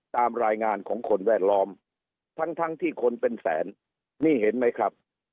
ตามรายงานของคนแวดล้อมทั้งทั้งที่คนเป็นแสนนี่เห็นไหมครับ